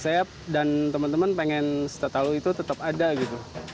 sehat dan teman teman pengen tatalu itu tetap ada gitu